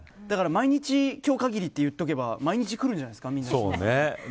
毎日、今日限りとか言っとけば毎日来るんじゃないですか。